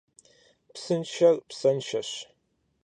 Псыншэр псэншэщ.